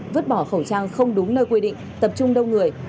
vứt bỏ khẩu trang không đúng nơi quy định tập trung đông người